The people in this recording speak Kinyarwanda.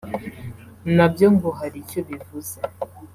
nabyo ngo hari icyo bivuze